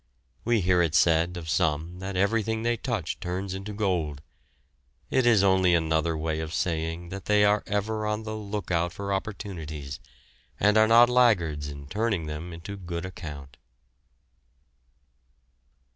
We hear it said of some that everything they touch turns into gold. It is only another way of saying that they are ever on the look out for opportunities, and are not laggards in turning them to good account.